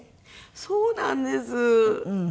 そうなんです。